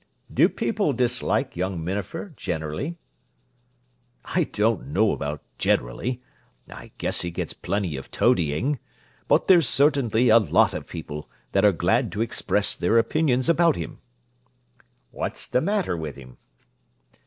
"Do people dislike young Minafer generally?" "I don't know about 'generally.' I guess he gets plenty of toadying; but there's certainly a lot of people that are glad to express their opinions about him." "What's the matter with him?"